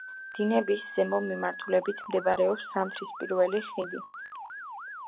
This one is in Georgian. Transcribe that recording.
დინების ზემო მიმართულებით მდებარეობს ზამთრის პირველი ხიდი.